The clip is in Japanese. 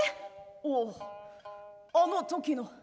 「おおあの時の」。